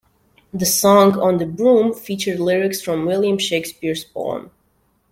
The song "On The Broom" featured lyrics from William Shakespeare's poem.